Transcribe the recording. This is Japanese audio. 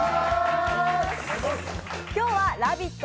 今日は「ラヴィット！」